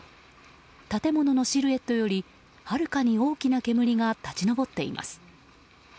建物のシルエットよりはるかに大きな煙が立ち上っています。